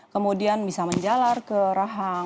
kemudian bisa menjalar ke rahang